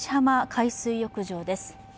海水浴場です。